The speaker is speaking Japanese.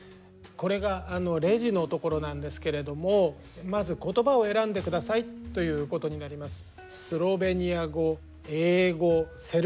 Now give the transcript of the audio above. これがレジのところなんですけれどもまず言葉を選んでくださいということになります。